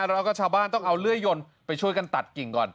แล้วก็ชาวบ้านต้องเอาเลื่อยยนไปช่วยกันตัดกิ่งก่อน